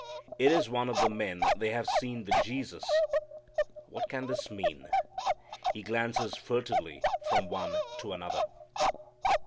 It is one of the men they have seen with Jesus! What can this mean? He glances furtively from one to another.